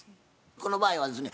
この場合はですね